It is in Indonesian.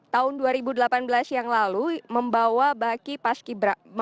tahun dua ribu delapan belas yang lalu membawa baki